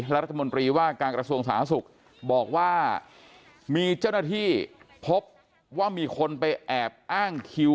รัฐมนตรีว่าการกระทรวงสาธารณสุขบอกว่ามีเจ้าหน้าที่พบว่ามีคนไปแอบอ้างคิว